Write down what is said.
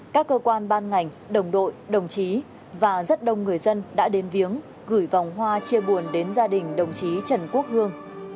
các cơ quan ban ngành đồng đội đồng chí và rất đông người dân đã đến viếng gửi vòng hoa chia buồn đến gia đình đồng chí trần quốc hương